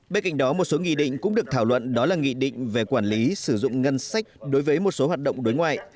bên cạnh đó một số nghị định cũng được thảo luận đó là nghị định về quản lý sử dụng ngân sách đối với một số hoạt động đối ngoại